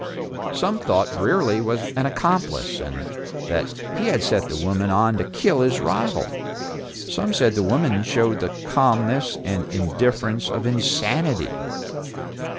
Some thought Brierly was an accomplice, and that he had set the woman on to kill his rival. Some said the woman showed the calmness and indifference of insanity.